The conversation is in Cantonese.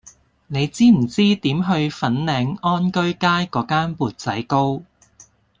你知唔知點去粉嶺安居街嗰間缽仔糕